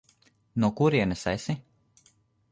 No kurienes esi?